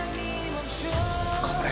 これ！